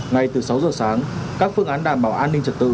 ngay từ sáu giờ sáng các phương án đảm bảo an ninh trật tự